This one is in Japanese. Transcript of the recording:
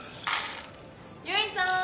由比さん！